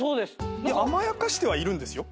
甘やかしてはいるんですよ